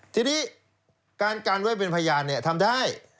ทีนี้การกันไว้เป็นพยานทำได้